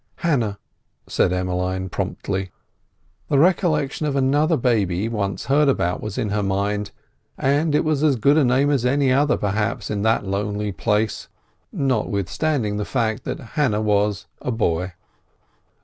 "Hannah," said Emmeline promptly. The recollection of another baby once heard about was in her mind; and it was as good a name as any other, perhaps, in that lonely place, notwithstanding the fact that Hannah was a boy.